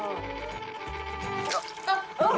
あっ！